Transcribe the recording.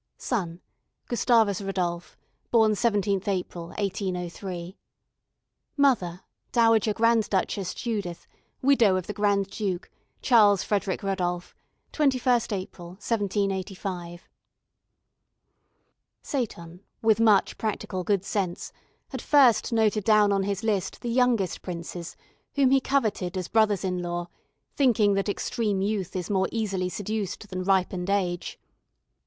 "Son: GUSTAVUS RODOLPH, born 17th April, 1803. "Mother: Dowager Grand Duchess Judith, widow of the Grand Duke, CHARLES FREDERIC RODOLPH, 21st April, 1785." Seyton, with much practical good sense, had first noted down on his list the youngest princes whom he coveted as brothers in law, thinking that extreme youth is more easily seduced than ripened age.